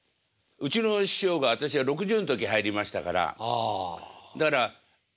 うちの師匠が私は６０の時入りましたからだから。